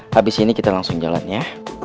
habis ini kita langsung jalan ya